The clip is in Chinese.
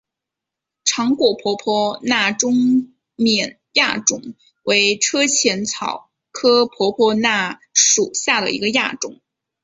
长果婆婆纳中甸亚种为车前草科婆婆纳属下的一个亚种。